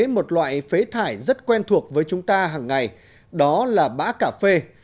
một loại phế thải rất quen thuộc với chúng ta hàng ngày đó là bã cà phê